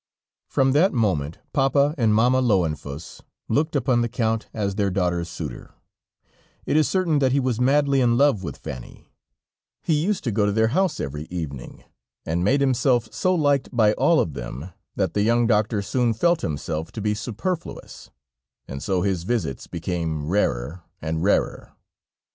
From that moment, Papa and Mamma Löwenfuss looked upon the Count as their daughter's suitor; it is certain that he was madly in love with Fanny; he used to go to their house every evening, and made himself so liked by all of them, that the young doctor soon felt himself to be superfluous, and so his visits became rarer and rarer.